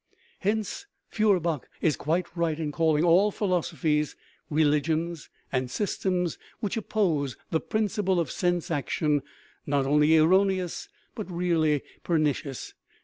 Hence Feuer bach is quite right in calling all philosophies, religions, and systems which oppose the principle of sense action not only erroneous, but really pernicious.